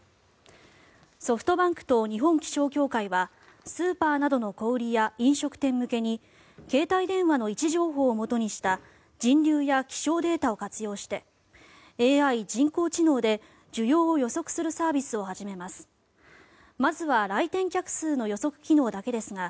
ソフトバンクと日本気象協会はスーパーなどの小売りや飲食店向けに携帯電話の位置情報をもとにした人流や気象データを活用してＡＩ・人工知能で需要を予測するサービスを始めます。